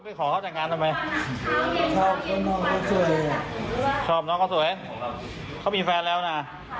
ไปขอเข้าแต่งงานทำไมทองน้องเค้าสวยทองบ้านเค้ามีแฟนแล้วน่ะ